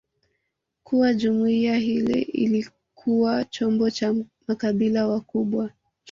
kuwa jumuiya hile ilikuwa chombo cha makabaila wakubwa